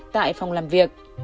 tại phòng làm việc